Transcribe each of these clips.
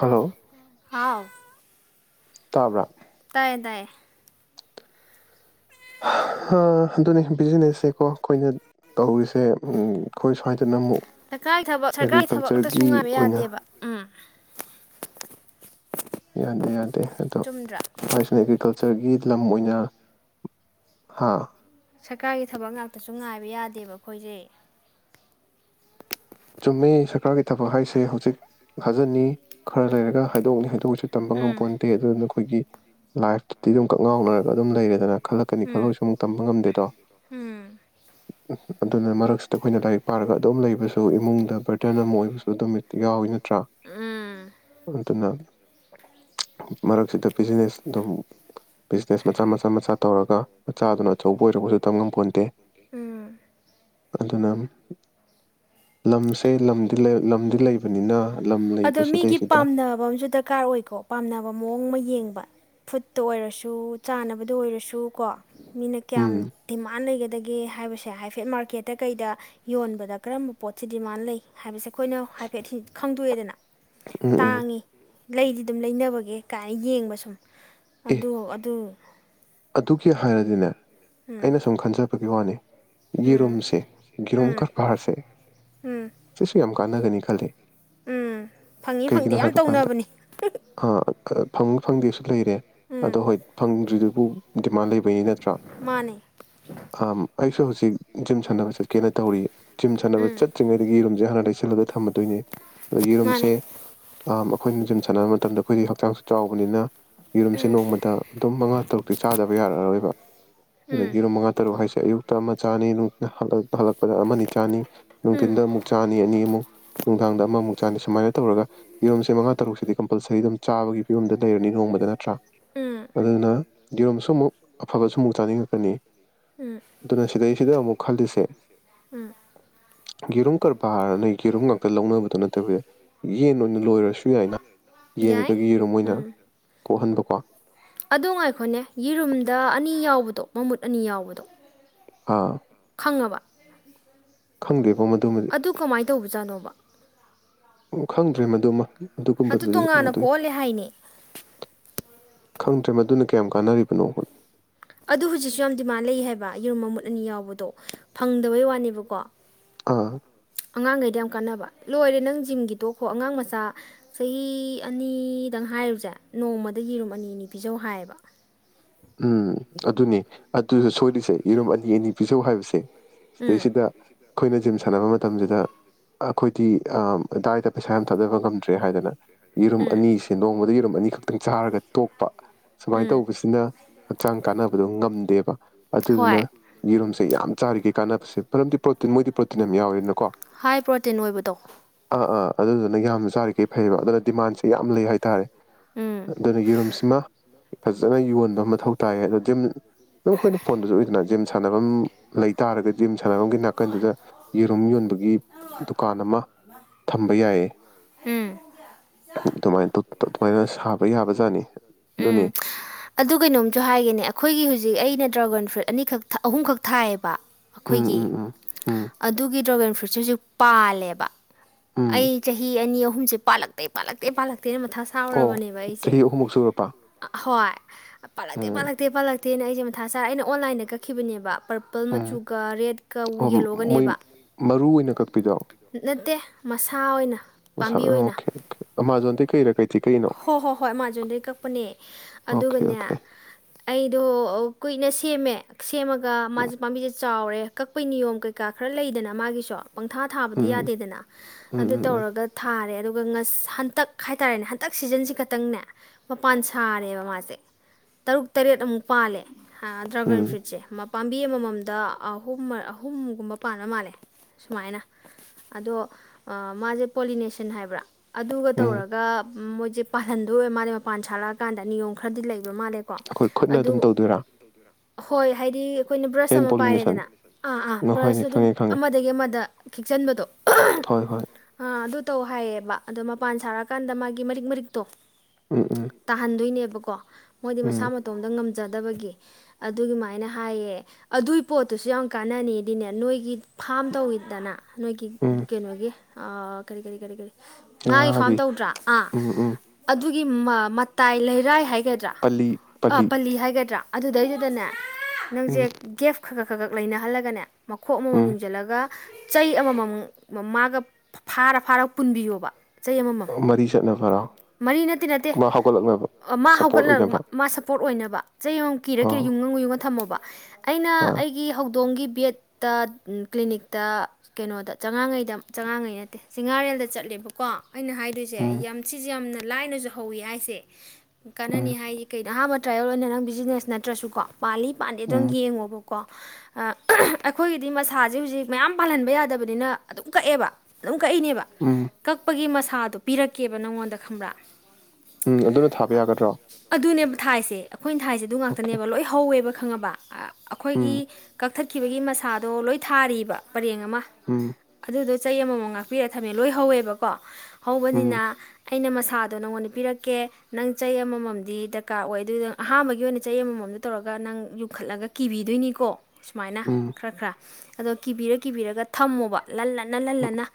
hello ꯍꯥꯎ ꯇꯥꯕ꯭ꯔꯥ ꯇꯥꯢꯌꯦ ꯇꯥꯢꯌꯦ ꯍ ꯑ ꯑꯗꯨꯅꯤ ꯕꯤꯖꯤꯅꯦꯁꯁꯦꯀꯣ ꯑꯩꯈꯣꯏꯅ ꯇꯧꯔꯤꯁꯦ ꯑꯩꯈꯣꯏ ꯁ꯭ꯋꯥꯏ ꯁꯔꯀꯥꯔꯒꯤ ꯊꯕꯛ ꯁꯔꯀꯥꯔꯒꯤ ꯊꯕꯛ ꯉꯛꯇꯁꯨ ꯉꯥꯏꯕ ꯑꯣꯏꯅ ꯌꯥꯗꯦꯕ ꯎꯝ ꯌꯥꯗꯦ ꯌꯥꯗꯦ ꯑꯗꯣ ꯆꯨꯝꯗ꯭ꯔꯥ ꯁ꯭ꯋꯥꯏꯁꯤꯅ ꯑꯦꯒ꯭ꯔꯤꯀꯜ ꯁ ꯒꯤ ꯂꯝ ꯑꯣꯏꯅ ꯍꯥꯥ ꯁꯔꯀꯥꯔꯒꯤ ꯊꯕꯛ ꯉꯥꯛꯇꯁꯨ ꯉꯥꯏꯕ ꯌꯥꯗꯦꯕ ꯑꯩꯈꯣꯏꯁꯦ ꯆꯨꯝꯃꯤ ꯈꯔꯒꯤ ꯊꯕꯛ ꯍꯥꯏꯁꯦ ꯍꯧꯖꯤꯛ ꯊꯥꯖꯅꯤ ꯈꯔ ꯂꯩꯔꯒ ꯍꯥꯏꯗꯣꯛꯅꯤ ꯍꯥꯏꯗꯣꯛꯎꯁꯨ ꯇꯝꯕ ꯎꯝ ꯉꯝꯄꯣꯟꯗꯦ ꯑꯗꯨꯗꯨꯅ ꯑꯩꯈꯣꯏꯒꯤ ꯂꯥꯏꯐꯇꯗꯤ ꯑꯗꯨꯝ ꯀꯛꯉꯥꯎꯅꯔꯒ ꯑꯗꯨꯝ ꯂꯩꯔꯦꯗꯅ ꯈꯜꯂꯛꯀꯅꯤ ꯎꯝ ꯈꯜꯂꯛꯁꯨ ꯑꯃꯨꯛ ꯇꯝꯕ ꯉꯝꯗꯦꯗꯣ ꯎꯝ ꯑꯗꯨꯅ ꯃꯔꯛꯁꯤꯗ ꯑꯩꯈꯣꯏꯅ ꯂꯥꯏꯔꯤꯛ ꯄꯥꯔꯒ ꯑꯗꯨꯝ ꯂꯩꯕꯁꯨ ꯏꯃꯨꯡ ꯕꯔꯇꯟ ꯑꯃ ꯑꯣꯏ ꯑꯗꯨ ꯌꯥꯎꯋꯤ ꯅꯠꯇ꯭ꯔꯥ ꯎꯝ ꯑꯗꯨꯅ ꯃꯔꯛꯁꯤꯗ ꯕꯤꯖꯤꯅꯦꯁ ꯑꯗꯨꯝ ꯕꯤꯖꯤꯅꯦꯁ ꯃꯆꯥ ꯃꯆꯥ ꯃꯆꯥ ꯇꯧꯔꯒ ꯃꯆꯥꯗꯨꯅ ꯑꯆꯧꯕ ꯑꯣꯏꯔꯔꯕꯁꯨ ꯇꯝ ꯉꯝꯄꯣꯟꯇꯦ ꯎꯝ ꯑꯗꯨꯅ ꯂꯝꯁꯦ ꯂꯝꯗꯤ ꯂꯩ ꯂꯝꯗꯤ ꯂꯩꯕꯅꯤꯅ ꯂꯝ ꯑꯗꯣ ꯃꯤꯒꯤ ꯂꯩꯕꯁꯤꯗꯩꯁꯤꯗ ꯄꯥꯝꯅꯕ ꯑꯃꯁꯨ ꯗꯔꯀꯥꯔ ꯑꯣꯏꯀꯣ ꯄꯥꯝꯅꯕ ꯃꯑꯣꯡ ꯑꯃ ꯌꯦꯡꯕ ꯐꯨꯠꯇ ꯑꯣꯏꯔꯁꯨ ꯆꯥꯅꯕꯗ ꯑꯣꯏꯔꯁꯨ ꯀꯣ ꯃꯤꯅ ꯀꯌꯥꯝ ꯎꯝ ꯗꯤꯃꯥꯟ ꯂꯩꯒꯅ ꯑꯗꯒꯤ ꯍꯥꯏꯕꯁꯦ ꯍꯥꯏꯐꯦꯠ ꯃꯥꯔꯀꯦꯠꯇ ꯀꯩꯗ ꯌꯣꯟꯕꯗ ꯀꯔꯝꯕ ꯄꯣꯠꯁꯤ ꯗꯤꯃꯥꯟ ꯂꯩ ꯍꯥꯏꯕꯁꯦ ꯑꯩꯈꯣꯏꯅ ꯍꯥꯏꯐꯦꯠ ꯈꯪꯗꯣꯛꯑꯦꯗꯅ ꯎꯝ ꯎꯝ ꯇꯥꯡꯉꯤ ꯂꯩꯗꯤ ꯑꯗꯨꯝ ꯂꯩꯅꯕꯒꯦ ꯀꯥꯏꯅ ꯌꯦꯡꯕ ꯁꯨꯝ ꯑꯗꯨ ꯑꯗꯨ ꯇꯨꯀꯦ ꯍꯥꯏꯔꯗꯤꯅꯦ ꯎꯝ ꯑꯩꯅ ꯁꯨꯝ ꯈꯟꯖꯕꯒꯤ ꯋꯥꯅꯤ ꯎꯝ ꯌꯦꯔꯨꯝꯁꯦ ꯎꯝ ꯌꯦꯔꯨꯝ ꯀꯔꯕꯥꯔꯁꯦ ꯎꯝ ꯁꯤꯁꯨ ꯌꯥꯝ ꯍꯀꯥꯟꯅꯒꯅꯤ ꯈꯜꯂꯦ ꯎꯝ ꯐꯪꯉꯤ ꯐꯪꯗꯦ ꯌꯥꯝ ꯀꯥꯟꯗ ꯇꯧꯅꯕꯅꯤ ꯑ ꯐꯪ ꯐꯪꯗꯦ ꯂꯩꯔꯦ ꯑꯗꯣ ꯎꯝ ꯍꯣꯏ ꯐꯪꯗ꯭ꯔꯤꯗꯨꯕꯨ ꯗꯤꯃꯥꯂꯩ ꯅꯠꯇ꯭ꯔ ꯃꯥꯅꯦ ꯑꯝ ꯑꯩꯁꯨ ꯍꯧꯖꯤꯛ ꯖꯤꯝ ꯁꯥꯟꯅꯕ ꯆꯠꯀꯦꯅ ꯇꯧꯔꯤ ꯖꯤꯝ ꯁꯥꯟꯅꯕ ꯎꯝ ꯆꯠꯇ꯭ꯔꯤꯉꯩꯗꯒꯤꯒꯤꯨꯝꯁꯦ ꯍꯥꯟꯅ ꯂꯩꯁꯜꯂꯒ ꯊꯝꯕ ꯗꯣꯢꯅꯦ ꯌꯦꯔꯨꯝꯁꯦ ꯃꯥꯅꯦ ꯑ ꯑꯩꯈꯣꯏꯅ ꯖꯤꯝ ꯁꯥꯟꯅꯕ ꯃꯇꯝꯗ ꯑꯩꯈꯣꯏꯒꯤ ꯍꯛꯆꯥꯡꯁꯨ ꯆꯥꯎꯕꯅꯤꯅ ꯌꯦꯔꯨꯝꯁꯦ ꯅꯣꯡꯃꯗ ꯑꯗꯨꯝ ꯃꯉꯥ ꯇꯔꯨꯛ ꯆꯥꯗꯕ ꯌꯥꯔꯔꯣꯏꯕ ꯎꯝ ꯑꯗꯒꯤꯔ ꯃꯉꯥ ꯇꯔꯨꯛ ꯍꯥꯏꯁꯦ ꯑꯌꯨꯛ ꯇꯃ ꯆꯥꯅꯤ ꯅ ꯍꯂꯛ ꯂꯛ ꯑꯃꯅꯤ ꯆꯥꯅꯤ ꯎꯝ ꯅꯨꯡꯊꯤꯟꯗ ꯑꯃꯨꯛ ꯆꯥꯅꯤ ꯑꯅꯤꯃꯨꯛ ꯅꯨꯡꯗꯥꯡꯗ ꯑꯃꯃꯨꯛ ꯆꯥꯗ ꯁꯨꯃꯥꯏꯅ ꯇꯧꯔꯒ ꯌꯦꯔꯨꯝꯁꯦ ꯃꯉꯥ ꯇꯔꯨꯛꯁꯤꯗꯤ ꯀꯝꯄꯜꯁꯔꯤ ꯑꯗꯨꯝ ꯆꯥꯕꯒꯤ ꯐꯤꯕꯝꯗ ꯂꯩꯔꯅꯤ ꯅꯣꯡꯃꯗ ꯅꯠꯇ꯭ꯔꯥ ꯎꯝ ꯑꯗꯨꯅ ꯌꯦꯔꯨꯝꯁꯨ ꯑꯃꯨꯛ ꯑꯐꯕꯁꯨ ꯑꯃꯨꯛ ꯆꯥꯅꯤꯡꯉꯛꯀꯅꯤ ꯎꯝ ꯑꯗꯨꯅ ꯁꯤꯗꯩꯁꯤꯗ ꯑꯃꯨꯛ ꯈꯜꯂꯤꯁꯦ ꯎꯝ ꯌꯦꯔꯨꯝ ꯀꯔꯕꯥꯔꯔꯅ ꯌꯦꯔꯨꯝ ꯉꯥꯛꯇ ꯂꯧꯅꯕꯗꯣ ꯅꯠꯇꯕꯁꯦ ꯌꯦꯟ ꯑꯣꯏꯅ ꯂꯣꯏꯔꯁꯨ ꯌꯥꯏꯅ ꯌꯥꯏ ꯌꯦꯟꯗꯨꯗꯒꯤ ꯌꯦꯔꯨꯝ ꯑꯣꯏꯅ ꯀꯣꯛꯍꯟꯕꯀꯣ ꯑꯗꯨ ꯉꯥꯏꯈꯣꯅꯦ ꯌꯦꯔꯨꯝꯗ ꯑꯅꯤ ꯌꯥꯎꯕꯗꯣ ꯃꯃꯨꯠ ꯑꯅꯤ ꯌꯥꯎꯕꯗꯣ ꯑꯥ ꯉꯕ ꯈꯪꯗꯦꯕꯣ ꯃꯗꯨꯃꯗꯤ ꯑꯗꯨ ꯀꯃꯥꯏꯅ ꯇꯧꯕꯖꯥꯠꯅꯣꯕ ꯎ ꯈꯪꯗ꯭ꯔꯦ ꯃꯗꯨꯃ ꯑꯗꯨ ꯑꯗꯨꯒꯨꯝꯕꯗꯨꯗꯤ ꯇꯣꯉꯥꯟꯅ ꯑꯗꯨꯏ ꯀꯣꯛꯍꯜꯂꯦ ꯍꯥꯏꯅꯦ ꯈꯪꯗ꯭ꯔꯦ ꯃꯗꯨꯅ ꯀꯌꯥꯝ ꯀꯥꯟꯅꯔꯤꯕꯅꯣ ꯍ ꯑꯗꯨ ꯍꯧꯖꯤꯛꯁꯨ ꯌꯥꯝ ꯗꯤꯃꯥꯟ ꯂꯩ ꯍꯥꯏꯕ ꯌꯦꯔꯨꯝ ꯃꯃꯨꯠ ꯑꯅꯤ ꯌꯥꯎꯕꯗꯣ ꯐꯪꯗꯕꯩ ꯋꯥꯅꯦꯕꯀꯣ ꯑꯥ ꯑꯉꯥꯡꯈꯩꯗꯤ ꯌꯥꯝ ꯀꯥꯟꯅꯕ ꯂꯣꯏꯔꯦ ꯅꯪ ꯖꯤꯝꯒꯤ ꯇꯣꯛꯈꯣ ꯑꯉꯥꯡ ꯃꯆꯥ ꯆꯍꯤ ꯑꯅꯤꯗꯪ ꯍꯥꯏꯔꯨꯁꯦ ꯅꯣꯡꯃꯗ ꯌꯦꯔꯨꯝ ꯑꯅꯤ ꯑꯅꯤ ꯄꯤꯖꯧ ꯍꯥꯏꯌꯦꯕ ꯎꯝ ꯑꯗꯨꯅꯤ ꯑꯗꯨꯁꯣꯏ ꯔꯤꯁꯦ ꯌꯦꯔꯨꯝ ꯑꯅꯤ ꯑꯅꯤ ꯄꯤꯖꯧ ꯍꯥꯏꯕꯁꯦ ꯁꯤ ꯎꯝ ꯁꯤꯗꯩꯁꯤꯗ ꯑꯩꯈꯣꯏꯅ ꯖꯤꯝ ꯁꯥꯟꯅꯕ ꯃꯇꯝꯁꯤꯗ ꯑꯩꯈꯣꯏꯗꯤ ꯗꯥꯏꯗ ꯄꯩꯁꯥ ꯌꯥꯝ ꯊꯥꯗꯕ ꯉꯝꯗ꯭ꯔꯦ ꯍꯥꯏꯗꯅ ꯌꯦꯔꯨꯝ ꯎꯝ ꯑꯅꯤ ꯁꯦꯟꯗꯣꯡꯕꯗ ꯌꯦꯔꯨꯝ ꯑꯅꯤꯈꯛꯇ ꯇꯪꯁꯥꯔꯒ ꯇꯣꯛꯄ ꯁꯨꯃꯥꯏꯅ ꯎꯝ ꯇꯧꯕꯁꯤꯅ ꯍꯛꯆꯥꯡ ꯀꯥꯟꯅꯕꯗꯨ ꯉꯝꯗꯦꯕ ꯑꯗꯨꯗꯨꯅ ꯍꯣꯏ ꯌꯦꯔꯨꯝꯁꯦ ꯌꯥꯝ ꯆꯥꯔꯤꯒꯩ ꯀꯥꯟꯅꯕꯁꯦ ꯃꯔꯝꯗꯤ ꯄ꯭ꯔꯣꯇꯤꯟ ꯃꯣꯏꯗꯤ ꯄ꯭ꯔꯣꯇꯤꯟ ꯌꯥꯝ ꯌꯥꯎꯔꯦꯅꯣ ꯍꯥꯏ ꯄ꯭ꯔꯣꯇꯤꯟ ꯑꯣꯏꯕꯗꯣ ꯑꯥ ꯑꯥ ꯑꯗꯨꯗꯨꯅ ꯌꯥꯝ ꯆꯥꯔꯤꯈꯩ ꯐꯩꯑꯕ ꯑꯗꯨꯅ ꯗꯤꯃꯥꯟꯁꯦ ꯌꯥꯝ ꯂꯩ ꯍꯥꯏꯇꯥꯔꯦ ꯎꯝ ꯑꯗꯨꯅ ꯌꯦꯔꯨꯝꯁꯤꯃ ꯐꯖꯅ ꯌꯣꯟꯗ ꯃꯊꯧ ꯇꯥꯏꯌꯦ ꯑꯗꯣ ꯖꯤꯝ ꯑꯗꯨꯝ ꯑꯩꯈꯣꯏꯅ ꯐꯣꯟꯗꯁꯨ ꯑꯣꯏꯗꯅꯝ ꯁꯥꯟ ꯥꯒꯨꯟ ꯁꯥꯅꯕ ꯂꯩ ꯇꯔꯒꯗꯤ ꯁꯥꯟꯅꯕꯒꯤ ꯅꯥꯀꯟꯗꯨꯗ ꯌꯦꯔꯨꯝ ꯌꯣꯟꯕꯒꯤ ꯗꯨꯀꯥꯟ ꯑꯃ ꯊꯝꯕ ꯌꯥꯏꯌꯦ ꯎꯝ ꯑꯗꯨꯃꯥꯏꯅ ꯇꯧ ꯇꯣꯃꯥꯏꯅ ꯊꯥꯕ ꯌꯥꯕ ꯖꯥꯠꯅꯤ ꯑꯗꯨꯅꯤ ꯑꯗꯨꯨ ꯍꯥꯏꯒꯦꯅꯦ ꯑꯩꯈꯣꯏꯒꯤ ꯍꯧꯖꯤꯛ ꯑꯩꯅ ꯗ꯭ꯔꯥꯒꯟ ꯐ꯭ꯔꯨꯏꯠ ꯑꯅꯤꯈꯛ ꯑꯍꯨꯝꯈꯛ ꯊꯥꯏꯌꯦꯕ ꯎꯝ ꯑꯩꯈꯣꯏꯒꯤ ꯎꯝ ꯎꯝ ꯎꯝ ꯑꯗꯨꯒꯤ ꯗ꯭ꯔꯣꯒꯟ ꯐ꯭ꯔꯨꯠꯁ ꯍꯧꯖꯤꯛ ꯄꯥꯜꯂꯦꯕ ꯑꯩ ꯎꯝ ꯆꯍꯤ ꯑꯅꯤ ꯑꯍꯨꯝ ꯑꯨꯝꯁꯦ ꯄꯜꯂꯛꯇꯇꯩ ꯄꯥꯂꯛꯇꯦ ꯄꯥꯂꯛꯇ ꯀꯔꯤꯅꯣ ꯗ ꯇꯦꯜ ꯃꯊꯥ ꯑꯣ ꯁꯥꯎꯔꯕꯅꯦꯕ ꯑꯩꯁꯦ ꯆꯍꯤ ꯑꯍꯨꯝꯃꯨꯛ ꯁꯨꯔꯄ ꯍꯣꯏ ꯄꯂꯛꯇꯦ ꯄꯂꯛꯛꯇꯦ ꯄꯂꯛꯇꯦ ꯑꯦꯅ ꯑꯩꯁꯦ ꯃꯊꯥ ꯁꯥꯥꯔ ꯑꯩꯅ ꯑꯣꯟꯂꯥꯏꯟꯗ ꯀꯛꯈꯤꯕꯅꯦꯕ ꯄꯔꯄꯜ ꯎꯝ ꯃꯆꯨꯒ ꯔꯦꯗꯀ ꯑꯣ ꯃꯣꯏ ꯌꯦꯜꯂꯣꯒꯅꯦꯕ ꯃꯔꯨ ꯑꯣꯏꯅ ꯀꯛꯄꯤꯗꯣ ꯅꯠꯇꯦ ꯚ ꯃꯁꯥ ꯑꯣꯏꯅ ꯁꯥꯅꯥ ꯄꯥꯝꯕꯤ ꯑꯣꯏꯅ ꯃꯑꯣꯡ ꯑꯃꯥꯖꯣꯟꯗꯤ ꯀꯩꯔꯥ ꯀꯩꯊ ꯀꯩꯅꯣ ꯍꯣꯏ ꯍꯣꯏ ꯍꯣꯏ ꯑꯦꯥꯃꯥꯖꯣꯟꯗꯗꯒꯤ ꯀꯛꯄꯅꯦ ꯑꯣꯀꯦ ꯑꯗꯨꯒꯅꯦ ꯑꯣꯀꯦ ꯑꯩꯗꯣ ꯀꯨꯏꯅ ꯁꯦꯝꯃꯦ ꯁꯦꯝꯃꯛ ꯃꯥ ꯎꯝ ꯄꯝꯕꯤ ꯆꯥꯎꯔꯦ ꯀꯛꯄꯩ ꯅꯤꯌꯣꯝ ꯀꯩꯀꯥ ꯈꯔ ꯂꯩꯗꯅ ꯃꯥꯒꯤꯁꯨ ꯄꯪꯊꯥ ꯊꯥꯕꯗꯤ ꯎꯝ ꯌꯥꯗꯦꯗꯅ ꯎꯝ ꯑꯗꯨ ꯎꯝ ꯇꯧꯔꯒ ꯊꯥꯔꯦ ꯑꯗꯨ ꯉꯥ ꯍꯟꯇꯛ ꯍꯥꯏꯇꯥꯔꯦꯅꯦ ꯍꯟꯇꯛ ꯁꯤꯖꯟꯁꯤꯦ ꯈꯛꯇꯪꯅꯦ ꯃꯄꯥꯟ ꯁꯥꯔꯦꯕ ꯃꯥꯁꯦ ꯇꯔꯨꯛ ꯇꯔꯦꯠ ꯑꯃꯨꯛ ꯄꯥꯜꯂꯦ ꯁꯥ ꯗ꯭ꯔꯒꯟ ꯑꯩ ꯎꯝ ꯐ꯭ꯔꯨꯠꯁꯦ ꯄꯥꯝꯕꯤ ꯑꯃꯃꯝꯗ ꯑꯍꯨꯝ ꯑꯍꯨꯝꯒꯨꯝꯕ ꯄꯥꯟꯕꯥꯟ ꯃꯥꯜꯂꯦ ꯁꯨꯃꯥꯏꯅ ꯑꯗꯣ ꯃꯥꯁꯦ ꯄꯣꯂꯤꯅꯦꯁꯟ ꯍꯥꯏꯕ꯭ꯔ ꯑꯗꯨꯒ ꯎꯝ ꯇꯧꯔꯒ ꯃꯣꯏꯁꯦ ꯄꯥꯜꯍꯟꯗꯣꯏꯋꯦ ꯃꯥꯂꯦ ꯃꯄꯥꯟ ꯁꯥꯠꯂꯛꯑꯀꯥꯟꯗ ꯅꯤꯌꯣꯝ ꯈꯔꯗꯤ ꯂꯩꯕ ꯄꯕ ꯃꯥꯜꯂꯦꯀꯣ ꯑꯩꯈꯣꯏ ꯈꯨꯠꯅ ꯑꯗꯨ ꯑꯗꯨꯝ ꯇꯧꯗꯣꯏꯔꯥ ꯍꯣꯏ ꯍꯥꯏꯗꯤ ꯑꯩꯈꯣꯏꯅ ꯕ꯭ꯔꯁ ꯍꯦꯟ ꯑꯃ ꯄꯣꯂꯤꯅꯦꯁꯟ ꯄꯥꯏꯔꯦꯗꯅ ꯑꯥ ꯑꯥ ꯍꯣꯏꯅꯦ ꯕ꯭ꯔꯁ ꯑꯗꯨꯝ ꯈꯪꯉꯦ ꯈꯪꯉꯦ ꯑꯃꯗꯒꯤ ꯑꯃꯗ ꯈꯤꯛꯆꯟꯕꯗꯣ ꯍꯣꯏ ꯍꯣꯏ ꯑꯥ ꯑꯗꯨ ꯇꯧ ꯍꯥꯏꯌꯦꯕ ꯑꯗꯣ ꯃꯄꯥꯟ ꯁꯥꯔꯀꯥꯟꯗ ꯃꯥꯒꯤ ꯒꯤ ꯃꯔꯤꯛ ꯃꯔꯤꯛꯇꯣ ꯎꯝ ꯎꯝ ꯇꯥꯍꯟꯗꯣꯏꯅꯦꯕ ꯀꯣ ꯃꯣꯏꯗꯤ ꯎꯝ ꯃꯁꯥ ꯃꯇꯣꯝꯗ ꯉꯝ ꯆꯗꯕꯒꯤ ꯑꯗꯨꯃꯥꯏꯅ ꯍꯥꯏꯌꯦ ꯑꯗꯨꯏ ꯄꯣꯠꯇꯨꯁꯨ ꯌꯥꯝ ꯀꯥꯟꯅꯅꯤꯗꯤꯅꯦ ꯅꯣꯏꯒꯤ ꯐꯥꯝ ꯇꯧꯋꯤꯗꯅ ꯅꯣꯏꯒꯤ ꯎꯝ ꯀꯩꯅꯣꯒꯤ ꯀꯔꯤ ꯀꯔꯤ ꯀꯔꯤ ꯀꯔꯤ ꯉꯥꯒꯤ ꯐꯥꯝ ꯇꯧꯗ꯭ꯔꯥ ꯎꯝ ꯎꯝ ꯑꯗꯨꯒꯤ ꯃꯇꯥꯏ ꯂꯩꯔꯥꯏ ꯍꯥꯏ ꯍꯥꯏꯒꯗ꯭ꯔꯥ ꯄꯜꯂꯤ ꯍꯥꯏꯒꯗ꯭ꯔꯥ ꯑꯗꯨꯗꯩꯗꯨꯗꯅꯦ ꯎꯝ ꯅꯪꯁꯦ ꯈꯍꯛ ꯈꯒꯛ ꯂꯩꯅꯍꯜꯂꯒꯅꯦ ꯃꯈꯣꯛ ꯑꯃꯃꯝ ꯎꯝ ꯌꯨꯡꯁꯤꯜꯂꯒ ꯆꯩ ꯑꯃꯃꯝ ꯃꯥꯒ ꯐꯥꯔ ꯐꯥꯔꯒ ꯄꯨꯟꯕꯤꯌꯣꯕ ꯆꯍꯤ ꯑꯃꯃ ꯃꯔꯤ ꯆꯠꯅꯕꯔꯣ ꯃꯔꯤ ꯅꯠꯇꯦ ꯅꯠꯇꯦ ꯃꯥ ꯍꯧꯒꯠꯂꯛꯅꯕ ꯃꯥ ꯁꯞꯄꯣꯔꯠ ꯍꯧꯒꯠꯂꯛ ꯑꯣꯏꯅꯕ ꯃꯥ ꯁꯞꯄꯣꯔꯠ ꯑꯣꯏꯅꯕ ꯆꯩ ꯑꯃꯃꯝ ꯀꯤꯔ ꯀꯤꯔ ꯑꯥ ꯌꯨꯡꯉ ꯌꯨꯡꯉ ꯊꯝꯃꯣꯕ ꯑꯩꯅ ꯑꯥ ꯑꯩꯒꯤ ꯍꯧꯗꯣꯡꯒꯤ ꯕꯦꯠꯇ ꯀ꯭ꯂꯤꯅꯤꯛꯇ ꯀꯩꯅꯣꯗ ꯆꯉꯥꯉꯩꯗ ꯆꯉꯥꯉꯩ ꯅꯠꯇꯦ ꯆꯤꯉꯥꯔꯦꯜꯗ ꯆꯠꯂꯦꯕꯀꯣ ꯑꯩꯅ ꯍꯥꯏꯗꯣꯏ ꯎꯝ ꯌꯥꯝ ꯁꯤꯁꯦ ꯌꯥꯝꯅ ꯂꯥꯏꯅꯁꯨ ꯍꯧꯋꯤ ꯍꯥꯏꯁꯦ ꯀꯥꯟꯅꯅꯤ ꯎꯝ ꯍꯥꯏꯗꯤ ꯀꯣ ꯑꯍꯥꯟꯕ ꯇ꯭ꯔꯥꯏꯌꯦꯜ ꯑꯣꯏꯅ ꯅꯪ ꯕꯤꯖꯤꯅꯦꯁ ꯅꯠꯇ꯭ꯔꯁꯨꯀꯣ ꯄꯥꯜꯂꯤ ꯄꯥꯜꯂꯤ ꯑꯗꯨꯝ ꯎꯝ ꯌꯦꯡꯉꯣꯕꯀꯣ ꯑꯩꯈꯣꯏꯒꯤꯗꯤ ꯃꯁꯥꯁꯦ ꯍꯧꯖꯤꯛ ꯃꯌꯥꯝ ꯄꯥꯜꯍꯟꯕ ꯌꯥꯗꯕꯅꯤꯅ ꯑꯗꯨꯝ ꯀꯛꯑꯦꯕ ꯑꯗꯨꯝ ꯀꯛꯏꯅꯦꯕ ꯎꯝ ꯀꯛꯄꯒꯤ ꯃꯁꯥꯗꯣ ꯄꯤꯔꯛꯀꯦꯕ ꯅꯪꯉꯣꯟꯗ ꯈꯪꯕ꯭ꯔꯥ ꯎꯝ ꯑꯗꯨꯅ ꯊꯥꯕ ꯌꯥꯒꯗ꯭ꯔꯣ ꯑꯗꯨꯅꯦꯕ ꯊꯥꯏꯁꯦ ꯑꯩꯈꯣꯏꯅ ꯊꯥꯏꯁꯦ ꯑꯗꯨ ꯑꯣꯀꯦ ꯉꯥꯛꯇꯅꯦꯕ ꯂꯣꯏ ꯍꯧꯋꯦꯕ ꯈꯪꯉꯕ ꯎꯝ ꯑꯩꯈꯣꯏꯒꯤ ꯀꯛꯊꯠ ꯈꯤꯕꯒꯤ ꯃꯁꯥꯗꯣ ꯂꯣꯏ ꯊꯥꯔꯤꯕ ꯄꯔꯦꯡ ꯎꯝ ꯑꯗꯨ ꯑꯃ ꯉꯥꯛꯄꯤꯔꯒ ꯊꯝꯃꯦ ꯂꯣꯏ ꯍꯧꯋꯦꯕꯀꯣ ꯎꯝ ꯍꯧꯕꯅꯤꯅ ꯑꯩꯅ ꯃꯁꯥꯗꯣ ꯅꯪꯉꯣꯟꯗ ꯄꯤꯔꯛꯀꯦ ꯅꯪ ꯆꯩ ꯑꯃꯃꯝꯗꯤ ꯗꯔꯀꯥꯔ ꯑꯣꯏ ꯑꯗꯨꯗꯣ ꯑꯍꯥꯥꯟꯕꯒꯤ ꯑꯣꯏꯅ ꯆꯩ ꯑꯃꯃꯝꯗ ꯇꯧꯔꯒ ꯅꯪ ꯌꯨꯡꯈꯠꯂꯒ ꯀꯤꯕꯤꯗꯣꯏꯅꯤꯀꯣ ꯁꯨꯃꯥꯏꯅ ꯎꯝ ꯈꯔ ꯈꯔ ꯑꯗꯣ ꯀꯤꯕꯤꯔ ꯀꯤꯕꯤꯔꯒ ꯊꯝꯃꯣꯕ ꯂꯜꯂꯟꯅ ꯂꯜꯂꯟꯅ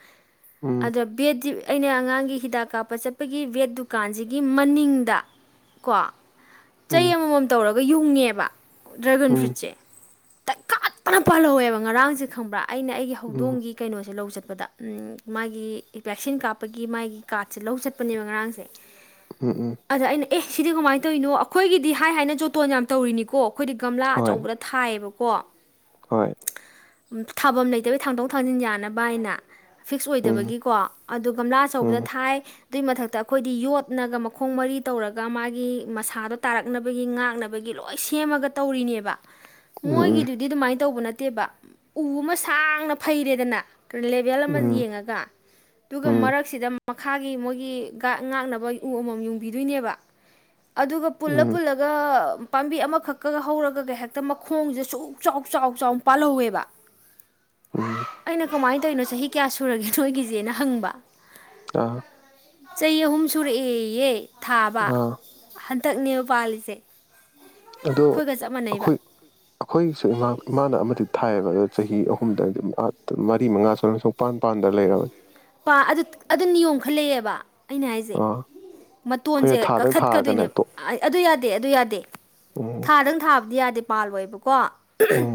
ꯎꯝ ꯑꯗꯨ ꯕꯦꯠ ꯇꯤ ꯑꯩꯅ ꯑꯉꯥꯡꯒꯤ ꯍꯤꯗꯥꯛ ꯀꯥꯞꯄ ꯆꯠꯄꯒꯤ ꯕꯦꯠ ꯗꯨꯀꯥꯟꯁꯤꯒꯤ ꯃꯅꯤꯡꯗ ꯀꯣ ꯎꯝ ꯆꯩ ꯑꯃꯃꯝ ꯇꯧꯔꯒ ꯒ ꯌꯨꯡꯉꯦꯕ ꯗ꯭ꯔꯦꯒꯟ ꯎꯝ ꯐ꯭ꯔꯨꯏꯠꯁꯦ ꯇꯛꯈꯠꯇꯅ ꯄꯥꯜꯍꯧꯋꯦꯕ ꯉꯔꯥꯡꯁꯦ ꯈꯪꯕ꯭ꯔꯥ ꯑꯩꯅ ꯑꯩꯒꯤ ꯎꯝ ꯍꯧꯗꯣꯡꯒꯤ ꯀꯩꯅꯣꯁꯦ ꯂꯧ ꯆꯠꯄꯗ ꯃꯥꯒꯤ ꯚꯦꯛꯁꯤꯟ ꯀꯥꯞ ꯄꯒꯤ ꯃꯥꯒꯤ ꯀꯥꯔꯠꯁꯦ ꯂꯧ ꯆꯠꯄꯅꯦꯕ ꯉꯔꯥꯡꯁꯦ ꯎꯝ ꯎꯝ ꯑꯗ ꯑꯩꯅ ꯑꯦ ꯁꯤꯗꯤ ꯀꯃꯥꯏꯅ ꯇꯧꯔꯤꯅꯣ ꯑꯩꯈꯣꯏꯒꯤꯗꯤ ꯍꯥꯏ ꯍꯥꯏꯅ ꯖꯣꯇꯣꯟ ꯌꯥꯝ ꯇꯧꯔꯤꯅꯤꯀꯣ ꯑꯩꯈꯣꯏꯗꯤ ꯒꯝꯂꯥ ꯍꯣꯏ ꯑꯆꯧꯕꯗ ꯊꯥꯏꯌꯦꯕ ꯀꯣ ꯍꯣꯏ ꯊꯥꯐꯝ ꯂꯩꯇꯕꯩ ꯊꯥꯡꯗꯣꯛ ꯊꯥꯡꯖꯤꯟ ꯌꯥꯅꯕ ꯅ ꯐꯤꯛꯁ ꯎꯝ ꯑꯣꯏꯗꯕꯒꯤꯀꯣ ꯑꯗꯨ ꯒꯝꯂꯥ ꯑꯆꯧꯕꯗ ꯎꯝ ꯊꯥꯏ ꯑꯗꯨꯏ ꯃꯊꯛꯇ ꯑꯩꯈꯣꯏꯗꯤ ꯌꯣꯠꯅꯒ ꯃꯈꯣꯡ ꯃꯔꯤ ꯇꯧꯔꯒ ꯃꯥꯒꯤ ꯃꯁꯥꯗꯣ ꯇꯥꯔꯛꯅꯕꯒꯤ ꯉꯥꯛꯅꯕꯒꯤ ꯂꯣꯏ ꯁꯦꯝꯃꯒ ꯇꯧꯔꯤꯅꯦꯕ ꯎꯝ ꯃꯣꯏꯒꯤꯗꯨꯗꯤ ꯑꯗꯨꯃꯥꯏꯅ ꯇꯧꯕ ꯅꯠꯇꯦ ꯇꯦꯕ ꯎ ꯑꯃ ꯁꯥꯡꯅ ꯐꯩꯔꯦꯗꯅ ꯂꯦꯚꯦꯜ ꯑꯃ ꯎꯝ ꯌꯦꯡꯉꯒ ꯑꯗꯨꯒ ꯎꯝ ꯃꯔꯛꯁꯤꯗ ꯃꯈꯥꯒꯤ ꯃꯣꯏꯒꯤ ꯒꯥꯠ ꯉꯥꯛꯅꯕ ꯎ ꯑꯃꯃꯝ ꯌꯨꯡꯕꯤꯗꯣꯏꯅꯦꯕ ꯑꯗꯨꯒ ꯄꯨꯜꯂ ꯎꯝ ꯄꯨꯜꯂꯒ ꯄꯥꯝꯕꯤ ꯑꯃꯈꯛꯀꯒ ꯍꯧꯔꯒꯒ ꯍꯦꯛꯇ ꯃꯈꯣꯡꯁꯦ ꯁꯨꯛ ꯆꯥꯎ ꯆꯥꯎ ꯆꯥꯎ ꯄꯥꯜꯍꯧꯋꯦꯕ ꯎꯝ ꯑꯩꯅ ꯀꯃꯥꯏꯅ ꯇꯧꯔꯤꯅꯣ ꯆꯍꯤ ꯀꯌꯥ ꯁꯨꯔꯒꯦ ꯅꯣꯏꯒꯤꯁꯦꯅ ꯍꯪꯕ ꯑꯥ ꯆꯍꯤ ꯑꯍꯨꯝ ꯁꯨꯔꯛꯑꯦꯌꯦ ꯊꯥꯕ ꯑꯥ ꯍꯟ ꯇꯛꯅꯦꯕ ꯄꯥꯜꯂꯤꯁꯦ ꯑꯗꯣ ꯑꯩꯈꯣꯏꯒ ꯆꯞ ꯃꯥꯟꯅꯩꯕ ꯑꯩꯈꯣꯏ ꯑꯩꯈꯣꯏꯁꯨ ꯏꯃꯥ ꯏꯃꯥꯅ ꯑꯃꯗꯤ ꯊꯥꯏꯌꯦꯕ ꯑꯣ ꯆꯍꯤ ꯑꯍꯨꯝꯗꯪꯗꯤ ꯃꯉꯥ ꯁ꯭ꯋꯥꯏꯗ ꯁꯨꯡꯄꯥꯟ ꯄꯥꯟꯗ ꯂꯩꯔꯕꯅꯤ ꯄꯥ ꯑꯗꯨ ꯑꯗꯨ ꯅꯤꯌꯣꯝ ꯈꯔ ꯂꯩꯑꯦꯕ ꯑꯩꯅ ꯍꯥꯏꯖꯦ ꯑꯥ ꯃꯇꯣꯟꯁꯦ ꯑꯩꯈꯣꯏꯅ ꯊꯥꯗꯪ ꯊꯥꯔꯒꯅꯦ ꯀꯛꯊꯠꯀꯗꯣꯏꯅꯦꯕ ꯇꯣꯛ ꯑ ꯑꯗꯨ ꯌꯥꯗꯦ ꯑꯗꯨ ꯌꯥꯗꯦ ꯎꯝ ꯊꯥꯗꯪ ꯊꯥ ꯐꯕꯗꯤ ꯌꯥꯗꯦ ꯄꯥꯜꯂꯣꯏꯕꯀꯣ ꯑꯍꯝ ꯎꯝ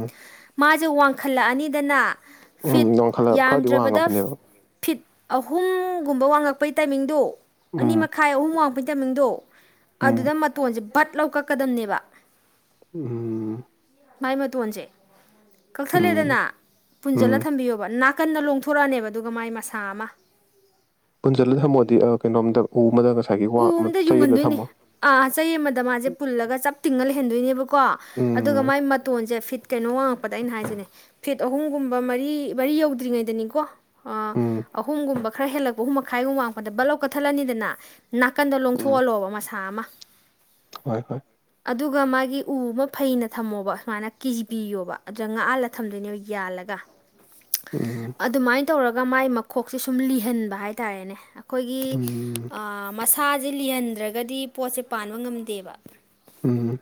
ꯃꯥ ꯋꯥꯡꯈꯠꯂꯛ ꯑꯅꯤꯗꯅ ꯎꯝ ꯋꯥꯈꯜꯂ ꯈꯔꯗꯤ ꯋꯥꯡꯉꯕꯅꯦꯕ ꯐꯤꯠ ꯑꯍꯨꯝꯒꯨꯝꯕ ꯋꯥꯡꯉꯛꯄꯩ ꯇꯥꯏꯃꯤꯡꯗꯣ ꯎꯝ ꯍꯨꯝ ꯋꯥꯡꯉꯛꯄꯩ ꯇꯥꯏꯃꯤꯡꯗꯣ ꯎꯝ ꯑꯗꯨꯗ ꯃꯇꯣꯟꯁꯦ ꯄꯠ ꯂꯧ ꯀꯛꯀꯗꯝꯅꯦꯕ ꯎꯝ ꯃꯥꯏ ꯃꯇꯣꯟꯁꯦ ꯎꯝ ꯀꯛꯊꯠꯂꯦꯗꯅ ꯄꯨꯟꯁꯤꯜꯂ ꯎꯝ ꯊꯝꯕꯤꯌꯣꯕ ꯅꯥ ꯀꯟꯅ ꯂꯣꯡꯊꯣꯔꯛꯑꯅꯦꯕ ꯑꯗꯨꯒ ꯃꯥꯏ ꯃꯁꯥ ꯑꯃ ꯄꯨꯟꯖꯜꯂ ꯊꯥꯃꯣꯗꯤ ꯀꯩꯅꯣꯝꯗ ꯎ [unintelligible] ꯎ ꯑꯃ ꯑꯝꯗ ꯆꯩ ꯑꯃꯗ ꯌꯨꯡꯍꯟꯗꯣꯏꯅꯦ ꯊꯝꯃꯣ ꯑꯥ ꯆꯩ ꯑꯃꯗ ꯃꯥꯁꯦ ꯄꯨꯜꯂꯒ ꯆꯞ ꯇꯤꯡꯉ ꯂꯩꯍꯟꯗꯣꯏꯅꯦꯕꯀꯣ ꯑꯗꯨꯒ ꯎꯝ ꯃꯥꯏ ꯃꯇꯣꯟꯁꯦ ꯐꯤꯠ ꯀꯩꯅꯣ ꯋꯥꯡꯉꯛꯄꯗ ꯑꯩꯅ ꯍꯥꯏꯁꯤꯅꯦ ꯐꯤꯠ ꯑꯍꯨꯝꯒꯨꯝꯕ ꯃꯔꯤ ꯃꯔꯤ ꯌꯧꯗ꯭ꯔꯤꯉꯩꯗꯅꯤꯀꯣ ꯎꯝ ꯑꯍꯨꯝꯒꯨꯝꯕ ꯈꯔ ꯍꯦꯜꯂꯛꯄ ꯑꯍꯨꯝ ꯃꯈꯥꯏꯒꯨꯝꯕ ꯋꯥꯡꯉꯛꯄꯗ ꯕꯠ ꯂꯧ ꯀꯠꯊꯠꯂꯅꯤꯗꯅ ꯅꯥꯀꯟꯗ ꯎꯝ ꯂꯣꯡꯊꯣꯛꯍꯜꯂꯣꯕ ꯃꯁꯥ ꯑꯃ ꯍꯣꯏ ꯍꯣꯏ ꯑꯗꯨꯒ ꯃꯥꯒꯤ ꯎ ꯑꯃ ꯐꯩꯅ ꯊꯝꯃꯣꯕ ꯁꯨꯃꯥꯏꯅ ꯀꯤꯖꯤ ꯄꯤꯌꯣꯕ ꯑꯗꯨꯗ ꯉꯥꯛꯍꯥꯜꯂ ꯊꯝꯗꯣꯏꯅꯦꯕ ꯌꯥꯜꯂꯒ ꯎꯝ ꯑꯗꯨꯃꯥꯏꯅ ꯇꯧꯔꯒ ꯃꯥꯏ ꯃꯈꯣꯛꯁꯦ ꯁꯨꯝ ꯂꯤꯍꯟꯕ ꯍꯥꯏꯇꯥꯔꯦꯅꯦ ꯑꯈꯣꯏꯒꯤ ꯎꯝ ꯑ ꯃꯁꯥꯁꯦ ꯂꯤꯍꯟꯗ꯭ꯔꯒꯗꯤ ꯄꯣꯠꯁꯦ ꯄꯥꯟꯕ ꯉꯝꯗꯦꯕ ꯎꯝ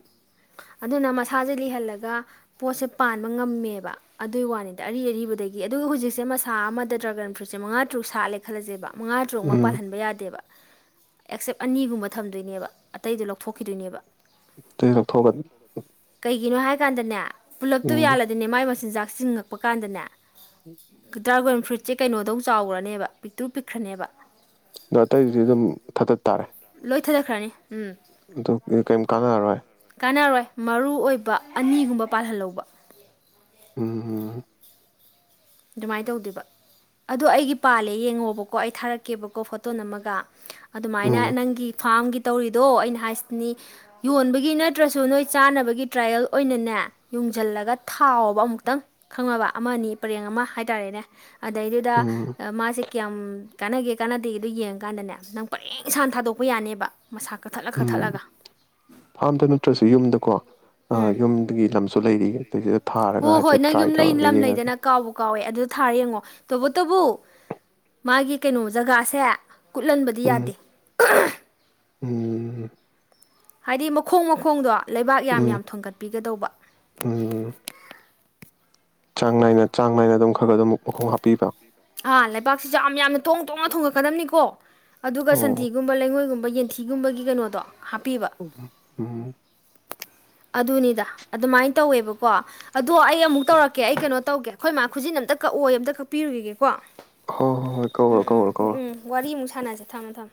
ꯑꯗꯨꯅ ꯃꯁꯥꯁꯦ ꯂꯤꯍꯜꯂꯒ ꯄꯣꯠꯁꯦ ꯄꯥꯟꯕ ꯉꯝꯃꯦꯕ ꯑꯗꯨꯏ ꯋꯥꯅꯤꯗ ꯑꯔꯤ ꯑꯔꯤꯕꯗꯒꯤ ꯑꯗꯨꯒ ꯍꯧꯖꯤꯛꯁꯦ ꯃꯁꯥ ꯑꯃꯗ ꯗ꯭ꯔꯥꯒꯟ ꯐ꯭ꯔꯨꯠꯁꯦ ꯃꯉꯥ ꯇꯔꯨꯛ ꯁꯥꯠꯂꯦ ꯈꯜꯂꯁꯦꯕ ꯃꯉꯥ ꯇꯔꯨꯛꯃꯛ ꯎꯝ ꯄꯥꯜꯟꯕ ꯌꯥꯗꯦꯕ ꯑꯦꯛꯁꯦꯞ ꯑꯅꯤꯒꯨꯝꯕ ꯊꯝꯗꯣꯏꯅꯦꯕ ꯑꯇꯩꯗꯣ ꯂꯧꯊꯣꯛꯈꯤꯗꯣꯏꯅꯦꯕ ꯑꯇꯩ ꯂꯧꯊꯣꯛꯑꯒ ꯀꯩꯒꯤꯅꯣ ꯍꯥꯏ ꯀꯥꯟꯗꯅꯦ ꯄꯨꯜꯂꯞꯇꯨ ꯎꯝ ꯌꯥꯜꯂꯗꯤꯅꯦ ꯃꯥꯏ ꯃꯆꯤꯟꯖꯥꯛ ꯆꯤꯡꯉꯛꯄ ꯀꯥꯟꯗꯅꯦ ꯗ꯭ꯔꯥꯒꯣꯟ ꯐ꯭ꯔꯨꯏꯠꯁꯦ ꯀꯩꯅꯣꯗꯧ ꯆꯥꯎꯒ꯭ꯔꯅꯦꯕ ꯄꯤꯛꯇ꯭ꯔꯨ ꯄꯤꯛꯈ꯭ꯔꯅꯦꯕ ꯑꯗꯣ ꯑꯇꯩꯗꯨꯗꯤ ꯑꯗꯨꯝ ꯊꯥꯗꯠ ꯇꯥꯔꯦ ꯂꯣꯏ ꯊꯗꯠꯈ꯭ꯔꯅꯤ ꯑꯗꯨ ꯀꯩꯝ ꯀꯥꯟꯅꯔꯔꯣꯏ ꯀꯥꯟꯅꯔꯣꯏ ꯃꯔꯨ ꯑꯣꯏꯕ ꯑꯅꯤꯒꯨꯝꯕ ꯄꯥꯜꯍꯜꯍꯧꯕ ꯎꯝ ꯍꯨꯝ ꯍꯨꯝ ꯑꯗꯨꯃꯥꯏꯅ ꯇꯧꯗꫭꯏꯕ ꯑꯗꯣ ꯑꯩꯒꯤ ꯄꯥꯜꯂꯦ ꯌꯦꯡꯉꯣꯕꯀꯣ ꯑꯩ ꯊꯥꯔꯛꯀꯦꯕꯀꯣ ꯐꯣꯇꯣ ꯅꯝꯃꯒ ꯑꯗꯨꯃꯥꯏꯅ ꯎꯝ ꯅꯪꯒꯤ ꯐꯥꯔꯝꯒꯤ ꯇꯧꯔꯤꯗꯣ ꯑꯩꯅ ꯍꯥꯏꯁꯤꯅꯤ ꯌꯣꯟꯕꯒꯤ ꯅꯠꯇ꯭ꯔꯁꯨ ꯅꯣꯏ ꯆꯥꯅꯕꯒꯤ ꯇ꯭ꯔꯥꯏꯌꯦꯜ ꯑꯣꯏꯅꯅꯦ ꯌꯨꯡꯁꯤꯜꯂꯒ ꯊꯥꯎꯕ ꯑꯃꯨꯛꯇꯪ ꯈꯪꯉꯕ ꯑꯃꯅꯤ ꯄꯔꯦꯡ ꯑꯃ ꯍꯥꯏꯇꯥꯔꯦꯅꯦ ꯑꯗꯩꯗꯨꯗ ꯎꯝ ꯃꯥꯁꯤ ꯀꯌꯥꯝ ꯀꯥꯟꯅꯒꯦ ꯀꯥꯟꯅꯗꯦꯗꯨ ꯌꯦꯡꯉꯅꯦ ꯅꯪ ꯄꯔꯦꯡ ꯁꯥꯟ ꯊꯥꯗꯣꯛꯄ ꯌꯥꯅꯦꯕ ꯃꯁꯥ ꯀꯛꯊꯠꯂ ꯎꯝ ꯀꯛꯊꯠꯂꯒ ꯐꯥꯝꯗ ꯅꯠꯇ꯭ꯔꯁꯨ ꯌꯨꯝꯗꯀꯣ ꯑ ꯎꯝ ꯌꯨꯝꯗꯒꯤ ꯂꯝꯁꯨ ꯂꯩꯔꯤ ꯑꯗꯨꯗꯩꯁꯤꯗ ꯊꯥꯔꯒ ꯍꯣꯏ ꯍꯥꯏꯐꯦꯠ ꯅꯪ ꯇ꯭ꯔꯥꯏ ꯌꯨꯝ ꯂꯩ ꯇꯧꯔꯒ ꯂꯝ ꯌꯦꯡꯉꯒꯦ ꯂꯩꯗꯅ ꯀꯥꯎꯕ ꯍꯣꯏ ꯀꯥꯎꯋꯦ ꯑꯗꯨ ꯊꯥꯔ ꯌꯦꯡꯉꯣ ꯇꯧꯕ ꯇꯕꯨ ꯃꯥꯒꯤ ꯀꯩꯅꯣ ꯖꯒꯥꯁꯦ ꯀꯨꯠꯍꯟꯕꯗꯤ ꯎꯝ ꯌꯥꯗꯦ ꯎꯝ ꯍꯥꯏꯗꯤ ꯃꯈꯣꯡ ꯃꯈꯣꯡꯗꯣ ꯂꯩꯕꯥꯛ ꯌꯥꯝ ꯎꯝ ꯌꯥꯝ ꯊꯣꯡꯒꯠꯄꯤꯒꯗꯧꯕ ꯎꯝ ꯆꯥꯡ ꯅꯥꯏꯅ ꯆꯥꯡ ꯅꯥꯏꯅ ꯑꯗꯨꯝ ꯈꯔ ꯈꯔ ꯑꯗꯨꯝ ꯃꯈꯣꯡ ꯍꯥꯞꯄꯤꯕ ꯑꯥ ꯂꯩꯕꯥꯛꯁꯤꯁꯨ ꯑꯥꯝ ꯌꯥ ꯊꯣꯡ ꯇꯣꯡꯅ ꯊꯣꯡꯉꯛꯀꯗꯕꯅꯤꯀꯣ ꯑꯗꯨꯒ ꯑꯣ ꯁꯟꯊꯤꯒꯨꯝꯕ ꯂꯩꯉꯣꯏꯒꯨꯝ ꯌꯦꯟꯊꯤꯒꯨꯝꯕꯒꯤ ꯀꯩꯅꯣꯗꯣ ꯍꯥꯞꯄꯤꯕ ꯎꯝ ꯑꯗꯨꯅꯤꯗ ꯑꯗꯨꯃꯥꯏꯅ ꯇꯧꯋꯦꯕꯀꯣ ꯑꯗꯣ ꯑꯩ ꯑꯃꯨꯛ ꯇꯧꯔꯛꯀꯦ ꯑꯩ ꯀꯩꯅꯣ ꯇꯧꯒꯦ ꯑꯈꯣꯏ ꯃꯥ ꯈꯨꯖꯤꯟ ꯑꯝꯇ ꯀꯛꯑꯣꯏ ꯑꯝꯇ ꯀꯛꯄꯤꯔꯨꯈꯤꯒꯦꯀꯣ ꯍꫭ ꯍꯣ ꯍꯣꯏ ꯀꯛꯎꯔꫭ ꯀꯛꯎꯔꫭ ꯀꯛꯎꯔꫭ ꯁꯥꯅꯁꯦ ꯊꯝꯃꯣ ꯊꯝꯃꯣ